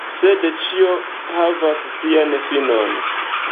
Sed ĉio havas sian finon.